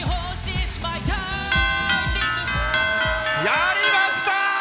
やりました！